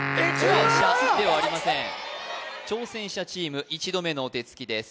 電車ではありません挑戦者チーム１度目のお手つきです